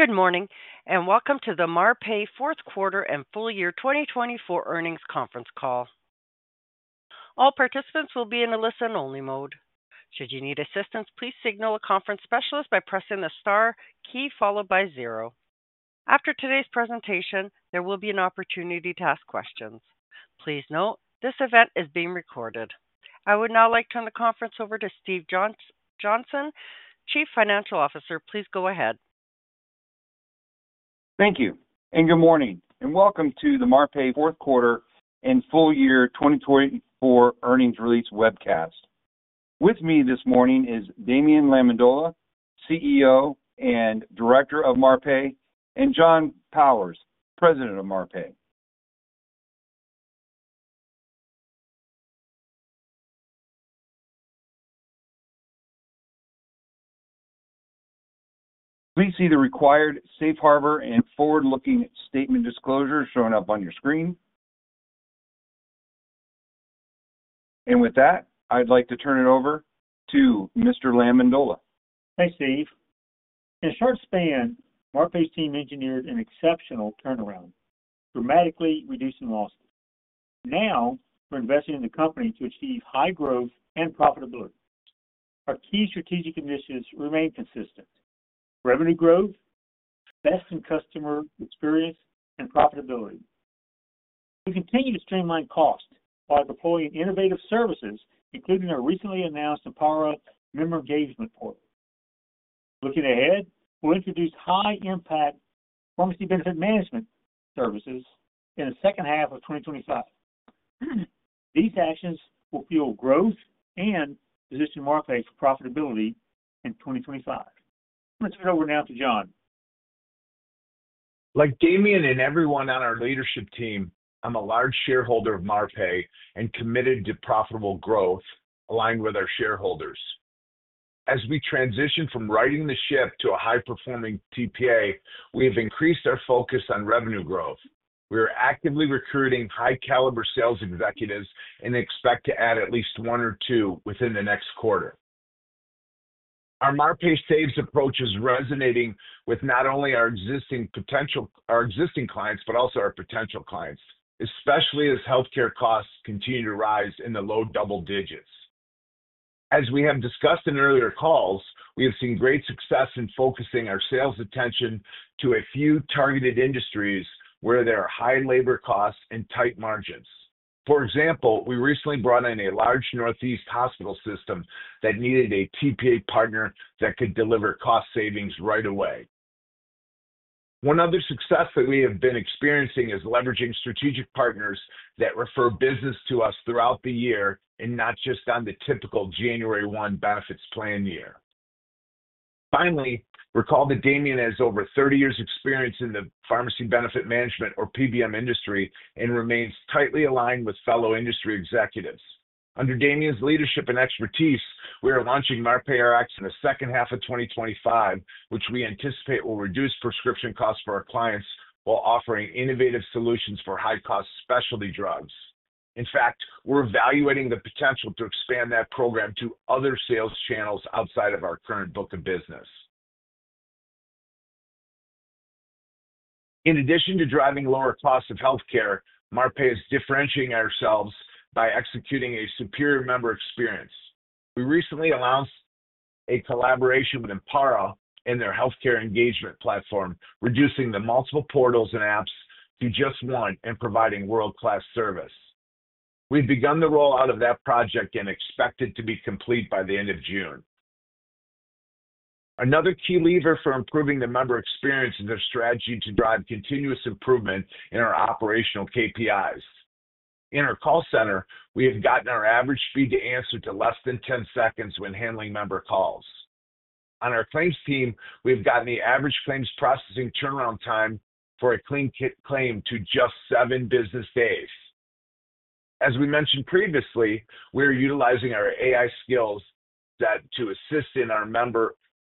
Good morning, and welcome to the Marpai Fourth Quarter and Full Year 2024 Earnings Conference Call. All participants will be in a listen-only mode. Should you need assistance, please signal a conference specialist by pressing the star key followed by zero. After today's presentation, there will be an opportunity to ask questions. Please note, this event is being recorded. I would now like to turn the conference over to Steve Johnson, Chief Financial Officer. Please go ahead. Thank you, and good morning, and welcome to the Marpai Fourth Quarter and Full Year 2024 Earnings Release Webcast. With me this morning is Damien Lamendola, CEO and Director of Marpai, and John Powers, President of Marpai. Please see the required safe harbor and forward-looking statement disclosure shown up on your screen. With that, I'd like to turn it over to Mr. Lamendola. Thanks, Steve. In a short span, Marpai's team engineered an exceptional turnaround, dramatically reducing losses. Now, we're investing in the company to achieve high growth and profitability. Our key strategic initiatives remain consistent: revenue growth, best-in-customer experience, and profitability. We continue to streamline costs while deploying innovative services, including our recently announced Empara member engagement portal. Looking ahead, we'll introduce high-impact pharmacy benefit management services in the second half of 2025. These actions will fuel growth and position Marpai for profitability in 2025. I'm going to turn it over now to John. Like Damien and everyone on our leadership team, I'm a large shareholder of Marpai and committed to profitable growth aligned with our shareholders. As we transition from righting the ship to a high-performing TPA, we have increased our focus on revenue growth. We are actively recruiting high-caliber sales executives and expect to add at least one or two within the next quarter. Our Marpai Saves approach is resonating with not only our existing clients, but also our potential clients, especially as healthcare costs continue to rise in the low double digits. As we have discussed in earlier calls, we have seen great success in focusing our sales attention to a few targeted industries where there are high labor costs and tight margins. For example, we recently brought in a large Northeast hospital system that needed a TPA partner that could deliver cost savings right away. One other success that we have been experiencing is leveraging strategic partners that refer business to us throughout the year and not just on the typical January 1 benefits plan year. Finally, recall that Damien has over 30 years' experience in the pharmacy benefit management, or PBM, industry and remains tightly aligned with fellow industry executives. Under Damien's leadership and expertise, we are launching Marpai Rx in the second half of 2025, which we anticipate will reduce prescription costs for our clients while offering innovative solutions for high-cost specialty drugs. In fact, we're evaluating the potential to expand that program to other sales channels outside of our current book of business. In addition to driving lower costs of healthcare, Marpai is differentiating ourselves by executing a superior member experience. We recently announced a collaboration with Empara and their healthcare engagement platform, reducing the multiple portals and apps to just one and providing world-class service. We've begun the rollout of that project and expect it to be complete by the end of June. Another key lever for improving the member experience is our strategy to drive continuous improvement in our operational KPIs. In our call center, we have gotten our average speed to answer to less than 10 seconds when handling member calls. On our claims team, we've gotten the average claims processing turnaround time for a claim to just seven business days. As we mentioned previously, we are utilizing our AI skills to assist in our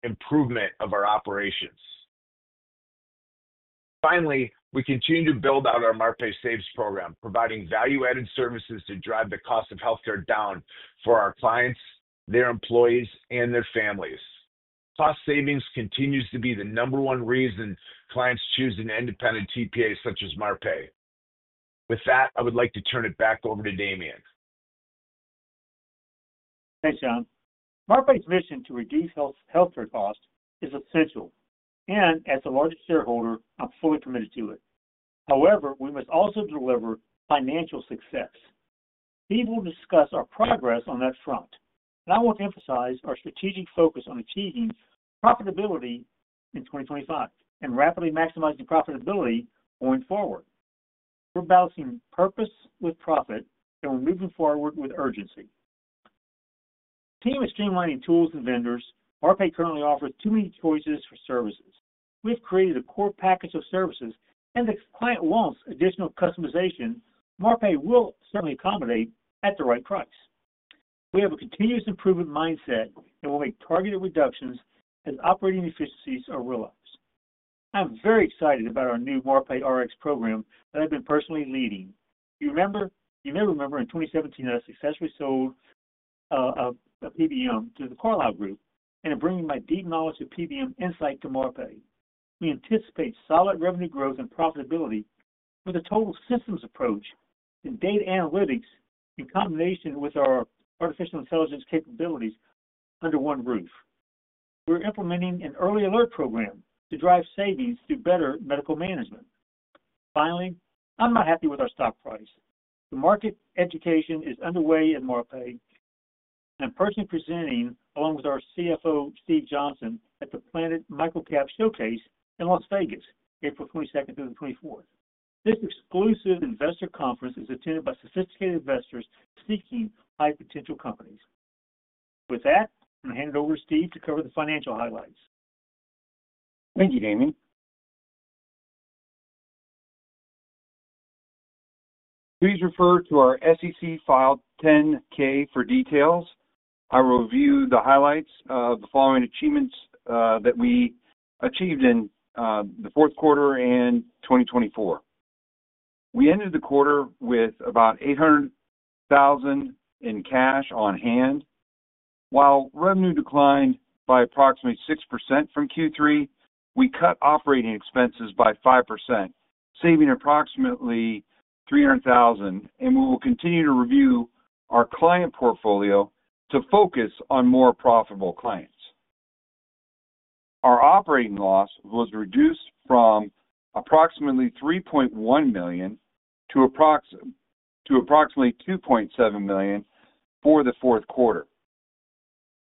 member improvement of our operations. Finally, we continue to build out our Marpai Saves program, providing value-added services to drive the cost of healthcare down for our clients, their employees, and their families. Cost savings continue to be the number one reason clients choose an independent TPA such as Marpai. With that, I would like to turn it back over to Damien. Thanks, John. Marpai's mission to reduce healthcare costs is essential, and as the largest shareholder, I'm fully committed to it. However, we must also deliver financial success. Steve will discuss our progress on that front, and I want to emphasize our strategic focus on achieving profitability in 2025 and rapidly maximizing profitability going forward. We're balancing purpose with profit, and we're moving forward with urgency. As the team is streamlining tools and vendors, Marpai currently offers too many choices for services. We've created a core package of services, and if the client wants additional customization Marpai will certainly accommodate at the right price. We have a continuous improvement mindset and will make targeted reductions as operating efficiencies are realized. I'm very excited about our new Marpai Rx program that I've been personally leading. You may remember in 2017 that I successfully sold a PBM to the Carlyle Group and am bringing my deep knowledge of PBM insight to Marpai. We anticipate solid revenue growth and profitability with a total systems approach and data analytics in combination with our artificial intelligence capabilities under one roof. We're implementing an early alert program to drive savings through better medical management. Finally, I'm not happy with our stock price. The market education is underway at Marpai. I'm personally presenting along with our CFO, Steve Johnson, at the Planet MicroCap Showcase in Las Vegas, April 22 through the 24. This exclusive investor conference is attended by sophisticated investors seeking high-potential companies. With that, I'm going to hand it over to Steve to cover the financial highlights. Thank you, Damien. Please refer to our SEC 10-K filing for details. I will review the highlights of the following achievements that we achieved in the fourth quarter and 2024. We ended the quarter with about $800,000 in cash on hand. While revenue declined by approximately 6% from Q3, we cut operating expenses by 5%, saving approximately $300,000, and we will continue to review our client portfolio to focus on more profitable clients. Our operating loss was reduced from approximately $3.1 million to approximately $2.7 million for the fourth quarter.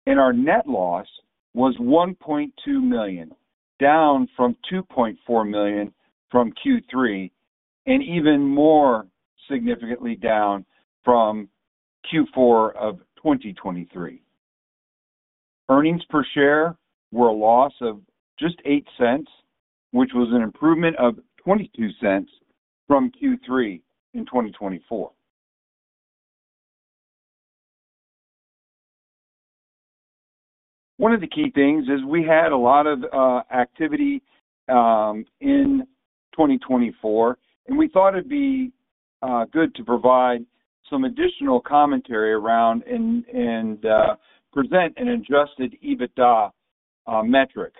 Our net loss was $1.2 million, down from $2.4 million from Q3 and even more significantly down from Q4 of 2023. Earnings per share were a loss of just $0.08, which was an improvement of $0.22 from Q3 in 2024. One of the key things is we had a lot of activity in 2024, and we thought it'd be good to provide some additional commentary around and present an adjusted EBITDA metric.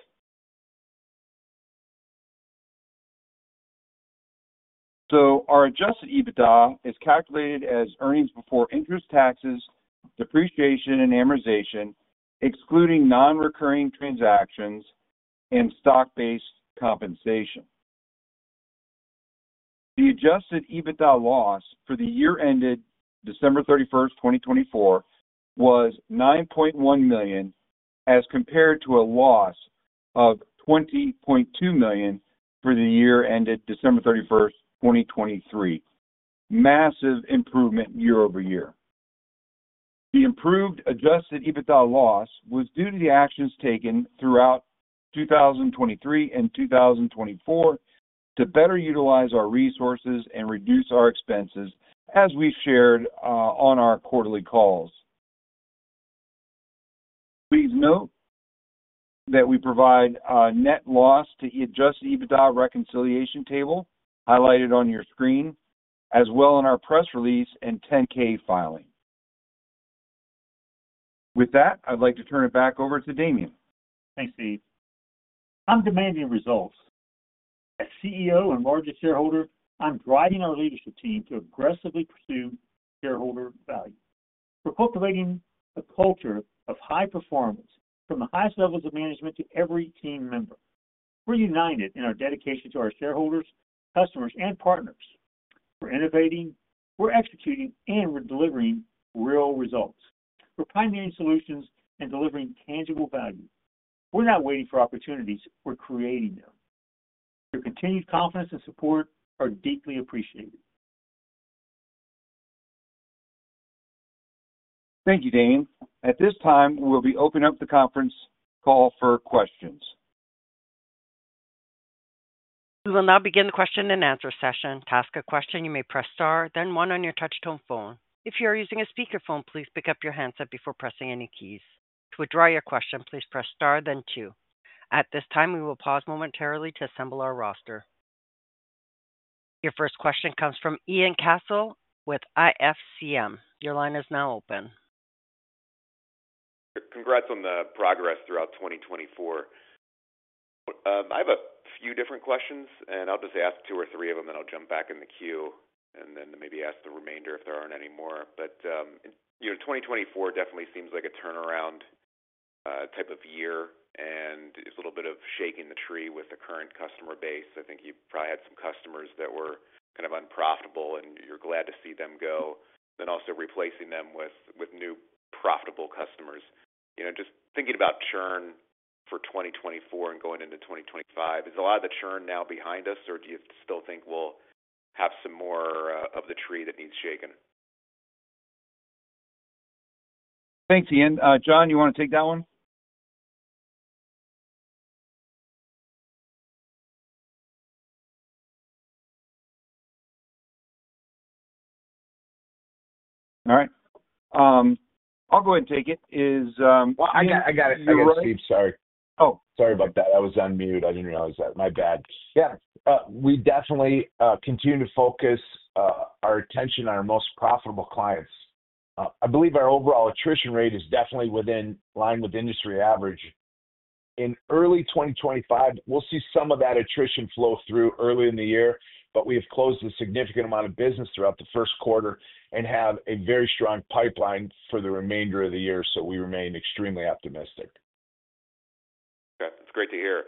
Our adjusted EBITDA is calculated as earnings before interest, taxes, depreciation, and amortization, excluding non-recurring transactions and stock-based compensation. The adjusted EBITDA loss for the year ended December 31, 2024, was $9.1 million as compared to a loss of $20.2 million for the year ended December 31, 2023. Massive improvement year over year. The improved adjusted EBITDA loss was due to the actions taken throughout 2023 and 2024 to better utilize our resources and reduce our expenses, as we shared on our quarterly calls. Please note that we provide a net loss to the adjusted EBITDA reconciliation table highlighted on your screen, as well as on our press release and 10-K filing. With that, I'd like to turn it back over to Damien. Thanks, Steve. I'm demanding results. As CEO and largest shareholder, I'm driving our leadership team to aggressively pursue shareholder value. We're cultivating a culture of high performance from the highest levels of management to every team member. We're united in our dedication to our shareholders, customers, and partners. We're innovating, we're executing, and we're delivering real results. We're pioneering solutions and delivering tangible value. We're not waiting for opportunities; we're creating them. Your continued confidence and support are deeply appreciated. Thank you, Damien. At this time, we'll be opening up the conference call for questions. This is the now begin the question and answer session. To ask a question, you may press star, then one on your touch-tone phone. If you are using a speakerphone, please pick up your handset before pressing any keys. To withdraw your question, please press star, then two. At this time, we will pause momentarily to assemble our roster. Your first question comes from Ian Cassel with IFCM. Your line is now open. Congrats on the progress throughout 2024. I have a few different questions, and I'll just ask two or three of them, and I'll jump back in the queue and then maybe ask the remainder if there aren't any more. 2024 definitely seems like a turnaround type of year, and it's a little bit of shaking the tree with the current customer base. I think you probably had some customers that were kind of unprofitable, and you're glad to see them go, then also replacing them with new profitable customers. Just thinking about churn for 2024 and going into 2025, is a lot of the churn now behind us, or do you still think we'll have some more of the tree that needs shaken? Thanks, Ian. John, you want to take that one? All right. I'll go ahead and take it. I got it. I got it. Steve, sorry. Oh. Sorry about that. I was on mute. I didn't realize that. My bad. Yeah. We definitely continue to focus our attention on our most profitable clients. I believe our overall attrition rate is definitely within line with industry average. In early 2025, we'll see some of that attrition flow through early in the year, but we have closed a significant amount of business throughout the first quarter and have a very strong pipeline for the remainder of the year, so we remain extremely optimistic. Yeah. It's great to hear.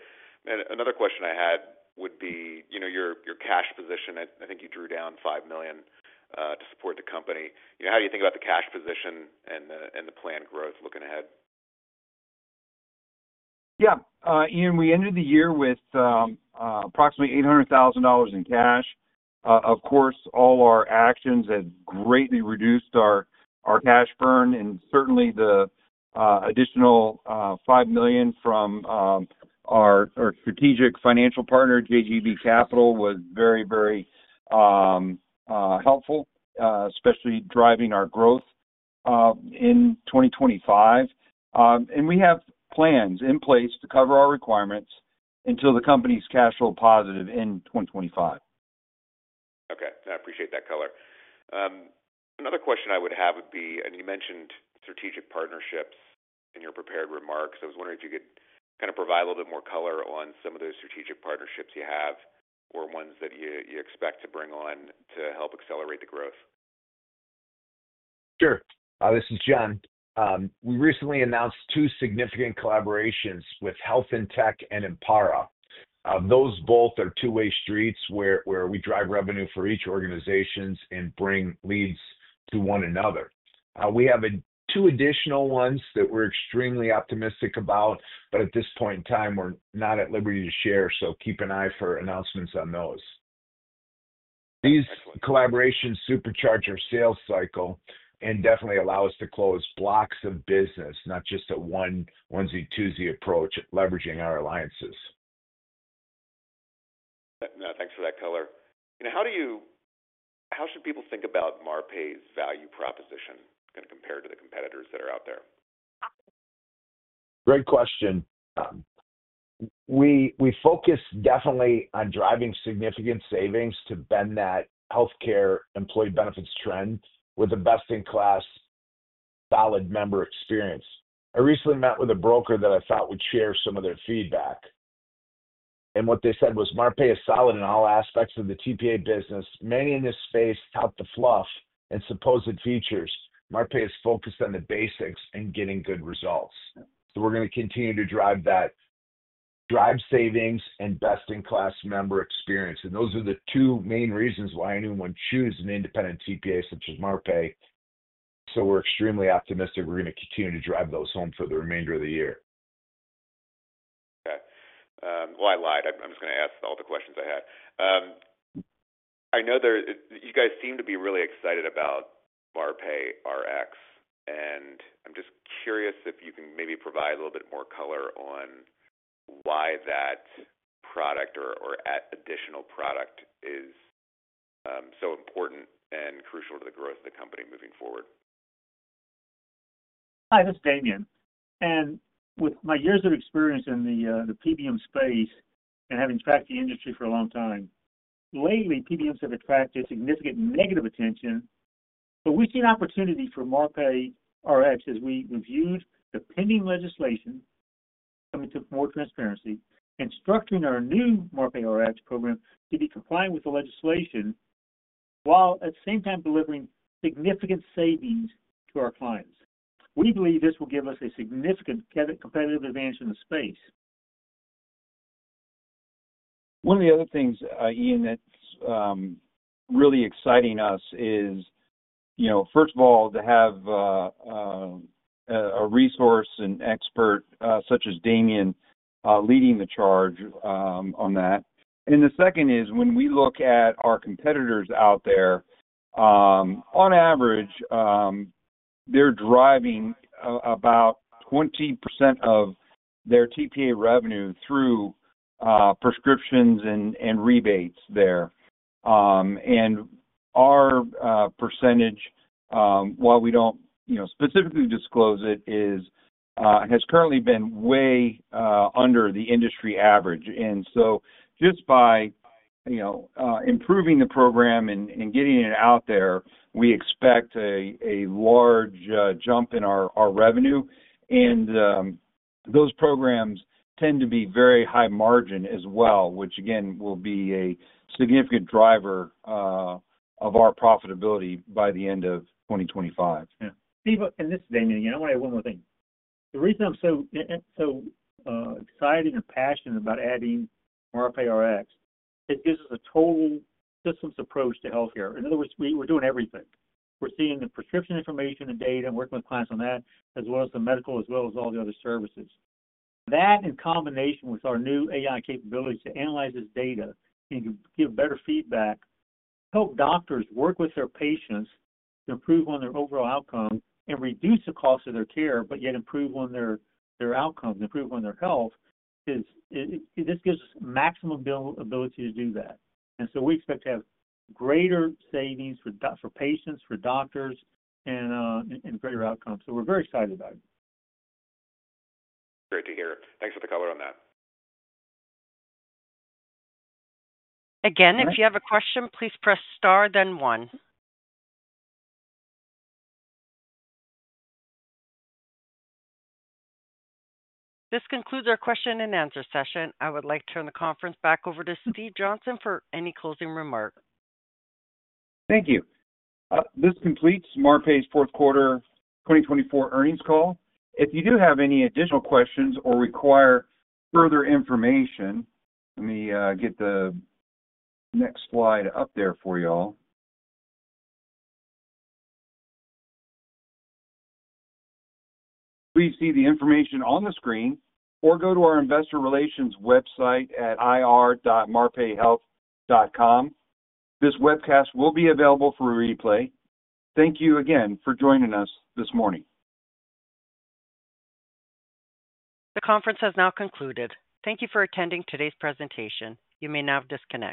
Another question I had would be your cash position. I think you drew down $5 million to support the company. How do you think about the cash position and the planned growth looking ahead? Yeah. Ian, we ended the year with approximately $800,000 in cash. Of course, all our actions have greatly reduced our cash burn, and certainly the additional $5 million from our strategic financial partner, JGB Capital, was very, very helpful, especially driving our growth in 2025. We have plans in place to cover our requirements until the company's cash flow positive in 2025. Okay. I appreciate that color. Another question I would have would be, and you mentioned strategic partnerships in your prepared remarks, I was wondering if you could kind of provide a little bit more color on some of those strategic partnerships you have or ones that you expect to bring on to help accelerate the growth. Sure. This is John. We recently announced two significant collaborations with Health In Tech and Empara. Those both are two-way streets where we drive revenue for each organization and bring leads to one another. We have two additional ones that we're extremely optimistic about, but at this point in time, we're not at liberty to share, so keep an eye for announcements on those. These collaborations supercharge our sales cycle and definitely allow us to close blocks of business, not just a one-ones, two-ons approach at leveraging our alliances. No, thanks for that color. How should people think about Marpai's value proposition compared to the competitors that are out there? Great question. We focus definitely on driving significant savings to bend that healthcare employee benefits trend with the best-in-class solid member experience. I recently met with a broker that I thought would share some of their feedback, and what they said was, "Marpai is solid in all aspects of the TPA business. Many in this space tout the fluff and supposed features. Marpai is focused on the basics and getting good results." We are going to continue to drive that, drive savings, and best-in-class member experience. Those are the two main reasons why anyone would choose an independent TPA such as Marpai. We are extremely optimistic we are going to continue to drive those home for the remainder of the year. Okay. I lied. I'm just going to ask all the questions I had. I know you guys seem to be really excited about Marpai Rx, and I'm just curious if you can maybe provide a little bit more color on why that product or additional product is so important and crucial to the growth of the company moving forward. Hi, this is Damien. With my years of experience in the PBM space and having tracked the industry for a long time, lately, PBMs have attracted significant negative attention. We have seen opportunity for Marpai Rx as we reviewed the pending legislation, coming to more transparency, and structuring our new Marpai Rx program to be compliant with the legislation while at the same time delivering significant savings to our clients. We believe this will give us a significant competitive advantage in the space. One of the other things, Ian, that's really exciting us is, first of all, to have a resource and expert such as Damien leading the charge on that. The second is, when we look at our competitors out there, on average, they're driving about 20% of their TPA revenue through prescriptions and rebates there. Our percentage, while we don't specifically disclose it, has currently been way under the industry average. Just by improving the program and getting it out there, we expect a large jump in our revenue. Those programs tend to be very high margin as well, which, again, will be a significant driver of our profitability by the end of 2025. Steve, and this is Damien. I want to add one more thing. The reason I'm so excited and passionate about adding Marpai Rx is it gives us a total systems approach to healthcare. In other words, we're doing everything. We're seeing the prescription information and data and working with clients on that, as well as the medical, as well as all the other services. That, in combination with our new AI capabilities to analyze this data and give better feedback, help doctors work with their patients to improve on their overall outcome and reduce the cost of their care, yet improve on their outcomes, improve on their health, this gives us maximum ability to do that. We expect to have greater savings for patients, for doctors, and greater outcomes. We are very excited about it. Great to hear. Thanks for the color on that. Again, if you have a question, please press star, then one. This concludes our question and answer session. I would like to turn the conference back over to Steve Johnson for any closing remarks. Thank you. This completes Marpai's Fourth Quarter 2024 Earnings Call. If you do have any additional questions or require further information, let me get the next slide up there for you all. Please see the information on the screen or go to our investor relations website at ir.marpaihealth.com. This webcast will be available for replay. Thank you again for joining us this morning. The conference has now concluded. Thank you for attending today's presentation. You may now disconnect.